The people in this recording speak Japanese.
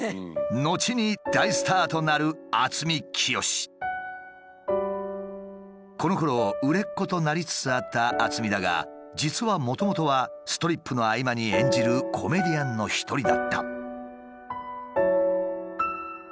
後に大スターとなるこのころ売れっ子となりつつあった渥美だが実はもともとはストリップの合間に演じるコメディアンの一人だった。